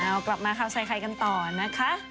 เอากลับมาข่าวใส่ไข่กันต่อนะคะ